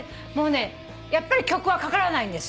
やっぱり曲はかからないんですよ。